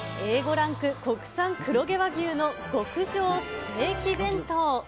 ランク国産黒毛和牛の極上ステーキ弁当。